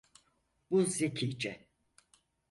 Bu zekice.